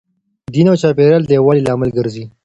دین او چاپیریال د یووالي لامل ګرځي.